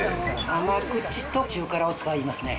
甘口と中辛を使いますね。